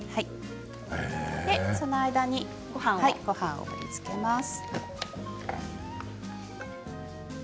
その間にごはんを盛りつけます。